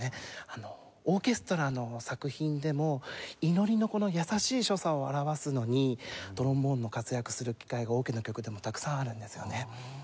オーケストラの作品でも祈りの優しい所作を表すのにトロンボーンの活躍する機会がオケの曲でもたくさんあるんですよね。